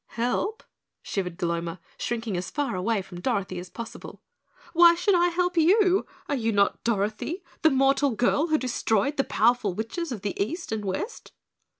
"Help?" shivered Gloma, shrinking as far away from Dorothy as possible. "Why should I help you? Are you not Dorothy, the mortal girl who destroyed the powerful Witches of the East and West?"